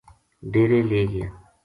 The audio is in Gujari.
ڈیرے لے گیا